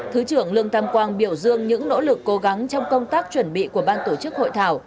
thứ trưởng lương tam quang biểu dương những nỗ lực cố gắng trong công tác chuẩn bị của ban tổ chức hội thảo